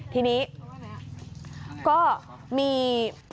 ทีนี้ก็มี